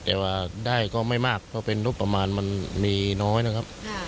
แต่ว่าได้ก็ไม่มากเพราะเป็นงบประมาณมันมีน้อยนะครับ